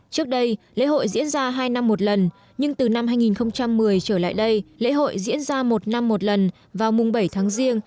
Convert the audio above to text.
trước đây lễ hội diễn ra hai năm một lần nhưng từ năm hai nghìn một mươi trở lại đây lễ hội diễn ra một năm một lần vào mùng bảy tháng riêng